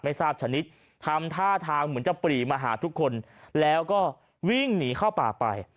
ไม่ทราบชนิดทำท่าทางเหมือนจะปรีมาหาทุกคนแล้วก็วิ่งหนีเข้าป่าไป